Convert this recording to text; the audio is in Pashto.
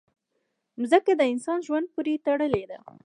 مځکه د انسان ژوند پورې تړلې ده.